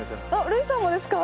類さんもですか？